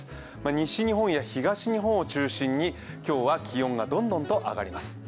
西日本や東日本を中心に今日は気温がどんどん上がります。